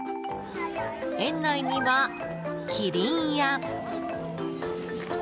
園内には、キリンや。